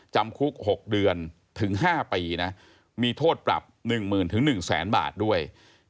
จำคุก๖เดือนถึง๕ปีนะมีโทษปรับ๑๐๐๐๑๐๐๐๐บาทด้วย